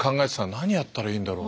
何やったらいいんだろう。